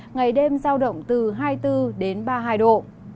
ngày đêm giao động từ hai mươi bốn đến ba mươi hai độ